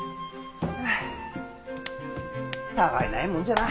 はあたあいないもんじゃな。